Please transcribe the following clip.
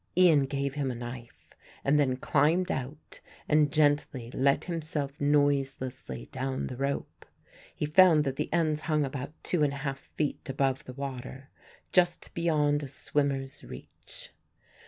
Ian gave him a knife and then climbed out and gently let himself noiselessly down the rope. He found that the ends hung about two and a half feet above the water, just beyond a swimmer's reach.